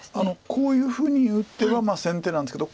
こういうふうに打てば先手なんですけど。